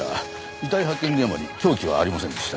遺体発見現場に凶器はありませんでした。